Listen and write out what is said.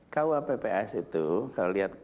kua ppas itu kalau lihat